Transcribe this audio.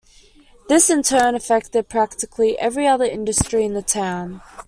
This in turn affected practically every other industry in the town.